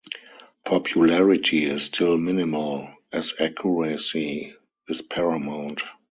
Popularity is still minimal, as accuracy is paramount.